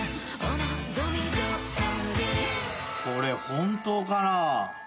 これ本当かな？